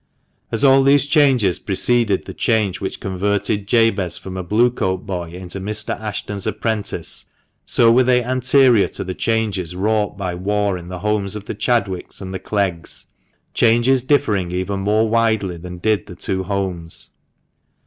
As all these changes preceded the change which converted Jabez from a Blue coat boy into Mr. Ashton's apprentice, so were they anterior to the changes wrought by war in the homes of the Chadwicks and the Cleggs — changes differing even more widely than did the two homes.